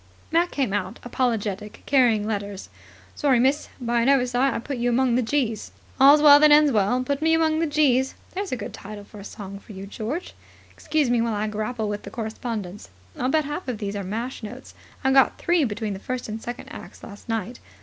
Mac came out, apologetic, carrying letters. "Sorry, miss. By an oversight I put you among the G's." "All's well that ends well. 'Put me among the G's.' There's a good title for a song for you, George. Excuse me while I grapple with the correspondence. I'll bet half of these are mash notes. I got three between the first and second acts last night.